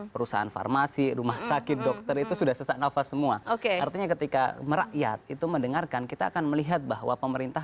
perusahaan farmasi rumah sakit dokter itu sudah sesak nafas semua oke artinya ketika merakyat itu mendengarkan kita akan melihat bahwa pemerintah